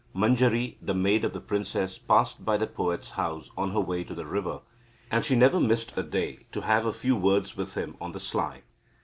Manjari, the maid of the princess, passed by the poet's house on her way to the river, and she never missed a day to have a few words with him on the sly.